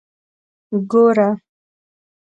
ګوره.